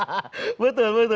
hahaha betul betul